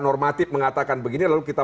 normatif mengatakan begini lalu kita